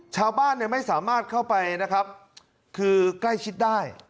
ชาวบ้านไม่สามารถเข้าไปนะครับคือใกล้ชิดได้